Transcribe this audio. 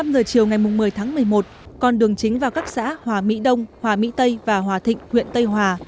một mươi giờ chiều ngày một mươi tháng một mươi một con đường chính vào các xã hòa mỹ đông hòa mỹ tây và hòa thịnh huyện tây hòa